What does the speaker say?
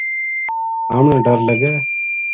ہمنا ڈر لگے